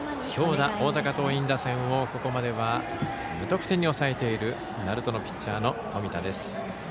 強打大阪桐蔭打線をここまでは、無得点に抑えている鳴門のピッチャーの冨田です。